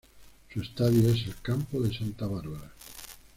Su estadio es el Campo de Santa Bárbara.